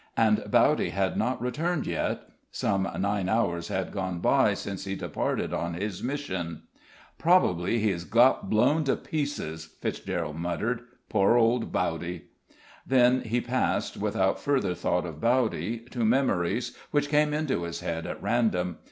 And Bowdy had not returned yet; some nine hours had gone by since he departed on his mission. "Probably he has got blown to pieces," Fitzgerald muttered. "Poor old Bowdy." Then he passed, without further thought of Bowdy, to memories which came into his head at random.